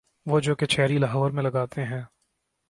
وہ جو کچہری لاہور میں لگاتے تھے۔